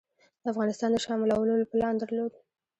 د افغانستان د شاملولو پلان درلود.